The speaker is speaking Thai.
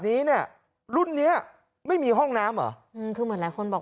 นี้เนี่ยรุ่นเนี้ยไม่มีห้องน้ำเหรออืมคือเหมือนหลายคนบอก